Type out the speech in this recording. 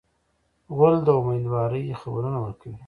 غول د امیندوارۍ خبرونه ورکوي.